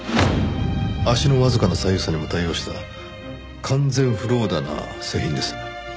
足のわずかな左右差にも対応した完全フルオーダーな製品です。